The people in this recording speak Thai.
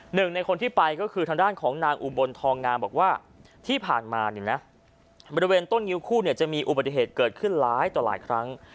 หนึ่งในคนที่ไปก็คือทางด้านของนางอุบลทองงามบอกว่าที่ผ่านมาเนี่ยนะบริเวณต้นงิ้วคู่เนี่ยจะมีอุบัติเหตุเกิดขึ้นหลายต่อหลายครั้ง